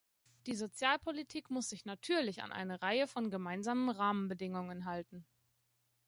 Die Sozialpolitik muss sich natürlich an eine Reihe von gemeinsamen Rahmenbedingungen halten.